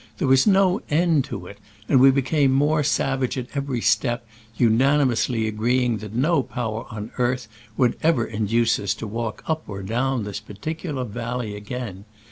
There was no end to it, and we became more savage at every step, unanimously agreeing that no power on earth would ever induce us to walk up or down this particular valley again.